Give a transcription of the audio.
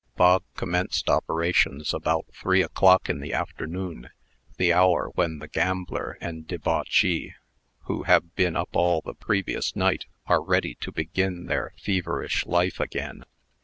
Bog commenced operations about three o'clock in the afternoon the hour when the gambler and debauchee, who have been up all the previous night, are ready to begin their feverish life again.